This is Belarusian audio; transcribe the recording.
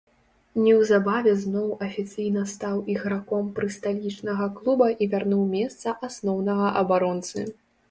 Неўзабаве зноў афіцыйна стаў іграком прысталічнага клуба і вярнуў месца асноўнага абаронцы.